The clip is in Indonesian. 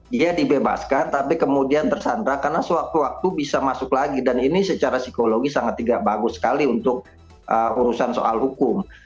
dia dibebaskan tapi kemudian tersandra karena sewaktu waktu bisa masuk lagi dan ini secara psikologi sangat tidak bagus sekali untuk urusan soal hukum